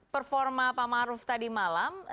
performa pak maruf tadi malam